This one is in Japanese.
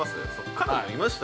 彼女いました？